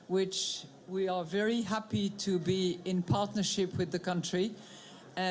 yang kami senang untuk berpartnership dengan negara